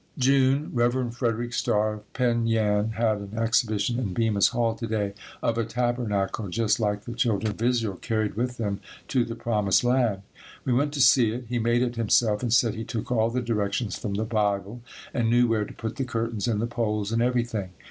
June. Rev. Frederick Starr, of Penn Yan, had an exhibition in Bemis Hall to day of a tabernacle just like the children of Israel carried with them to the Promised Land. We went to see it. He made it himself and said he took all the directions from the Bible and knew where to put the curtains and the poles and everything.